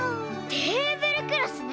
テーブルクロスね！